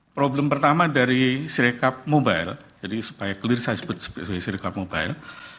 problem pertama dari cirecup mobile jadi supaya clear saya sebut sebagai cirecur mobile